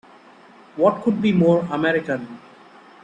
What could be more American!